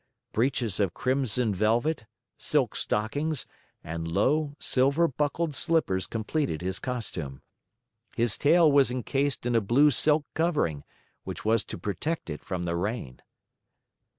Breeches of crimson velvet, silk stockings, and low, silver buckled slippers completed his costume. His tail was encased in a blue silk covering, which was to protect it from the rain.